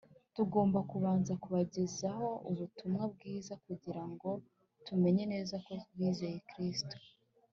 tugomba kubanza kubagezaho Ubutumwa Bwiza kugira ngo tumenye neza ko bizeye Kristo.